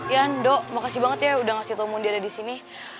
ian do makasih banget ya udah ngasih tau mu dia ada di sini